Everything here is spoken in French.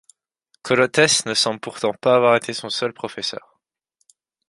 Colotès ne semble pourtant pas avoir été son seul professeur.